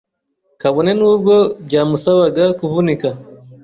kabone n’ubwo byamusabaga kuvunika,